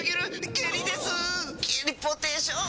ゲリポーテーション。